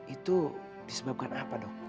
itu disebabkan apa dok